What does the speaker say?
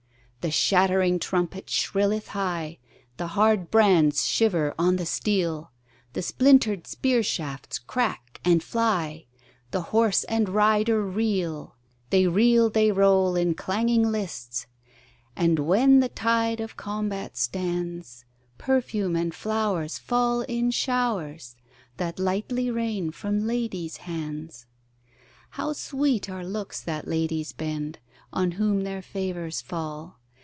The shattering trumpet shrilleth high, The hard brands shiver on the steel, The splinter'd spear shafts crack and fly, The horse and rider reel: They reel, they roll in clanging lists, And when the tide of combat stands, Perfume and flowers fall in showers That lightly rain from ladies' hands. How sweet are looks that ladies bend On whom their favours fall!